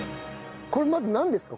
これまずなんですか？